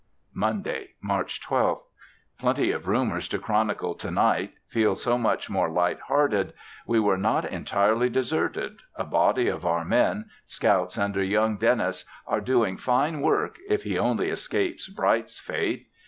Monday, March 12th. Plenty of rumors to chronicle to night; feel so much more light hearted. We are not entirely deserted. A body of our men, scouts under young Dennis are doing fine work, if he only escapes Bright's fate.